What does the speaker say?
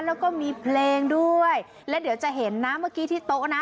แล้วก็มีเพลงด้วยแล้วเดี๋ยวจะเห็นนะเมื่อกี้ที่โต๊ะนะ